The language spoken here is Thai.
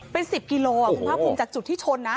เป็น๑๐กิโลคุณภาคภูมิจากจุดที่ชนนะ